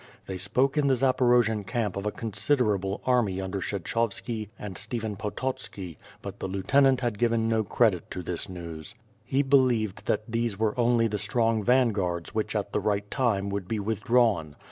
They spoke in the Zaporojian camp of a considerable army under Kshechovski and Stephen Pototski, but the lieutenant had given no credit to this news. He believed that these were only the strong vanguards which at the right time would be withdrawn.